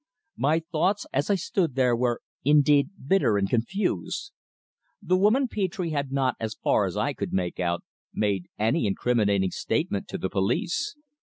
My thoughts, as I stood there, were, indeed, bitter and confused. The woman Petre had not, as far as I could make out, made any incriminating statement to the police.